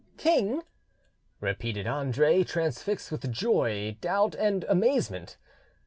"King!" repeated Andre, transfixed with joy, doubt, and amazement.